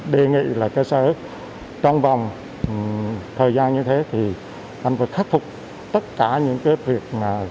đề nghị là cơ sở trong vòng thời gian như thế thì anh phải khắc phục tất cả những cái việc mà